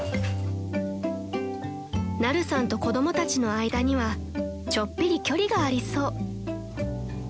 ［ナルさんと子供たちの間にはちょっぴり距離がありそう］